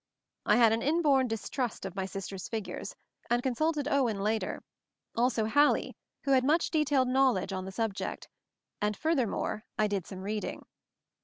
I had an inborn distrust of my sister's figures, and consulted Owen later; also Hallie, who had much detailed knowledge on the subject; and furthermore I did some reading.